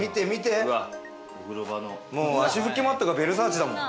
足拭きマットがヴェルサーチだもん。